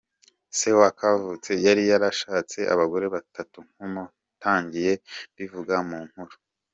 Se wa Kavutse yari yarashatse abagore batatu nk’uko natangiye mbivuga mu nkuru.